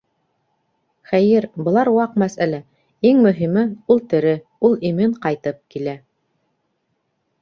Хәйер, былар ваҡ мәсьәлә, иң мөһиме - ул тере, ул имен ҡайтып килә.